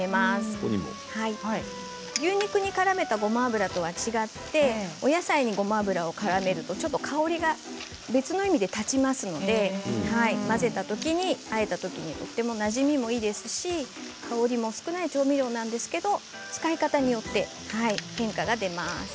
牛肉にからめたごま油と違ってお野菜にごま油をからめると香りが別の意味で立ちますので混ぜたときに、あえたときにとってもなじみがいいですし香りも少ない調味料なんですけれども使い方によって変化が出ます。